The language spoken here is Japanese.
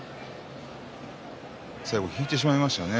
最後、起きてしまいましたよね。